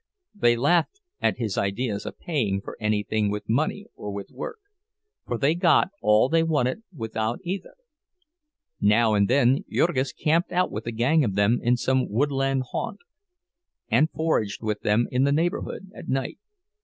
They laughed at his ideas of paying for anything with money or with work—for they got all they wanted without either. Now and then Jurgis camped out with a gang of them in some woodland haunt, and foraged with them in the neighborhood at night.